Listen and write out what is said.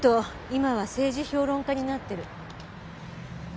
今は政治評論家になってる。